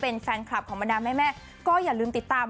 เป็นแฟนคลับของบรรดาแม่ก็อย่าลืมติดตาม